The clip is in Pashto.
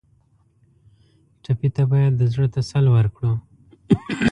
ټپي ته باید د زړه تسل ورکړو.